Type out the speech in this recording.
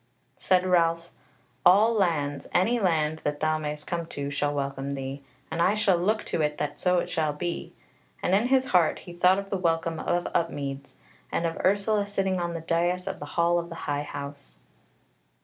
Said Ralph: "All lands, any land that thou mayst come to, shall welcome thee, and I shall look to it that so it shall be." And in his heart he thought of the welcome of Upmeads, and of Ursula sitting on the dais of the hall of the High House.